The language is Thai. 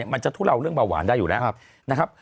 ทุเลาเรื่องเบาหวานได้อยู่แล้วนะครับ